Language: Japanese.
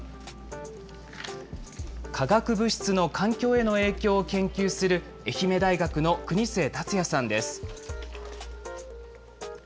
化学物質の環境への影響を研究する愛媛大学の国末達也さんです。